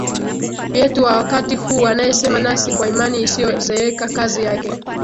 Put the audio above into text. yetu wa wakati huu anayesema nasi kwa imani isiyozeeka Kazi yake